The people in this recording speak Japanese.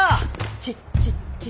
チッチッチッ。